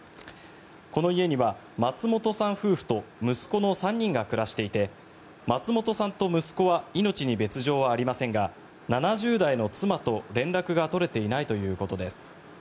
この家には松本さん夫婦と息子の３人が暮らしていて松本さんと息子は命に別条はありませんが７０代の妻と連絡が取れていないということです。